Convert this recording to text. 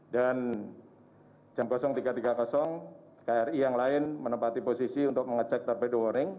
dan jam tiga puluh kri yang lain menempati posisi untuk mengecek torpedo warning